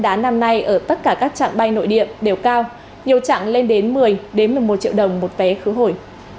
đán năm nay ở tất cả các trạng bay nội điểm đều cao nhiều trạng lên đến một mươi một mươi một triệu đồng một vé khứ hồi